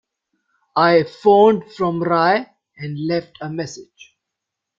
I phoned from Rye and left a message.